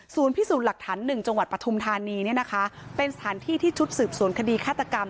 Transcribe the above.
พิสูจน์หลักฐานหนึ่งจังหวัดปฐุมธานีเนี่ยนะคะเป็นสถานที่ที่ชุดสืบสวนคดีฆาตกรรม